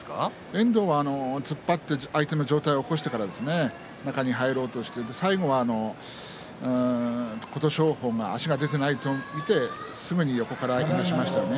遠藤は突っ張って相手の上体を起こしてから中に入ろうとして最後は琴勝峰が足が出ていないと見て、すぐに横から押しましたね。